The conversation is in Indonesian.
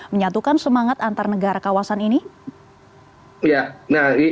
menyatukan semangat antar negara kawasan ini